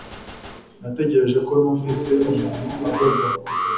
Natekereje ko numvise umuntu adodora ku rugi